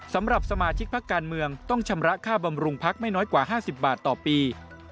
สำหรับสมาชิกพักการเมืองต้องชำระค่าบำรุงพักไม่น้อยกว่า๕๐บาทต่อปี